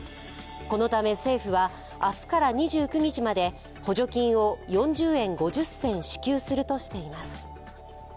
このため政府は明日から２９日まで補助金を４０円５０銭支給するとしています。